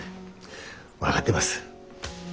分がってます。